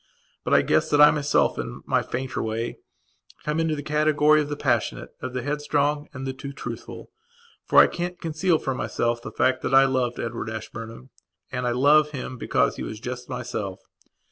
But I guess that I myself, in my fainter way, come into the category of the passionate, of the headstrong, and the too truthful. For I can't conceal from myself the fact that I loved Edward Ashburnhamand that I love him because he was just myself.